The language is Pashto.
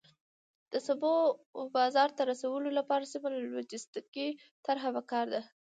د سبو بازار ته رسولو لپاره سمه لوجستیکي طرحه پکار ده.